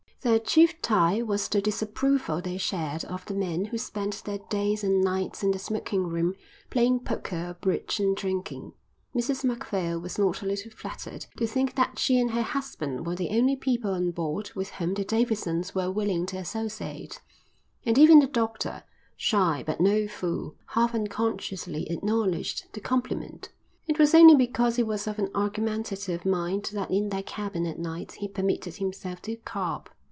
Their chief tie was the disapproval they shared of the men who spent their days and nights in the smoking room playing poker or bridge and drinking. Mrs Macphail was not a little flattered to think that she and her husband were the only people on board with whom the Davidsons were willing to associate, and even the doctor, shy but no fool, half unconsciously acknowledged the compliment. It was only because he was of an argumentative mind that in their cabin at night he permitted himself to carp.